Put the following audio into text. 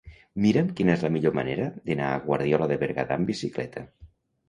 Mira'm quina és la millor manera d'anar a Guardiola de Berguedà amb bicicleta.